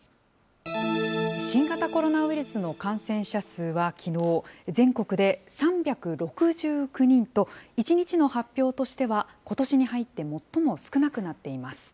新型コロナウイルスの感染者数はきのう、全国で３６９人と、１日の発表としては、ことしに入って最も少なくなっています。